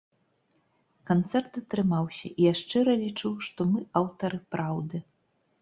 Канцэрт атрымаўся, і я шчыра лічу, што мы аўтары праўды.